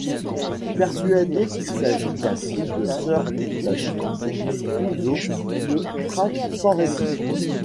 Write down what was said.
Persuadé qu'il s'agit d'un coup de sir Lytton, Clouseau le traque sans répit.